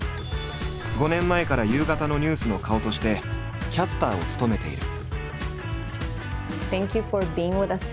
５年前から夕方のニュースの顔としてキャスターを務めている。